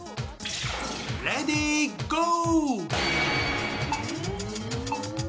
レディーゴー！